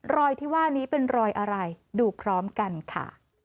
รอยที่ว่านี้เป็นรอยอะไรดูพร้อมกันค่ะ